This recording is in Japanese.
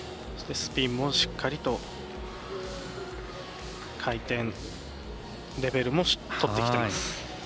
スピンもしっかりと回転レベルもとってきています。